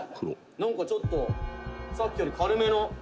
なんかちょっとさっきより軽めの」